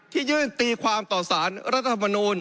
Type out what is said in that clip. ที่ยื่นตีความต่อสารรัฐธรรมนูล